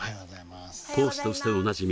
講師としておなじみ